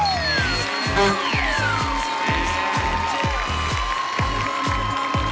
แต่เวลาที่เสียงเกิด